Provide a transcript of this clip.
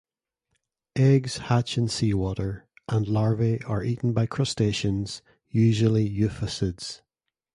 Eggs hatch in seawater, and larvae are eaten by crustaceans, usually euphausids.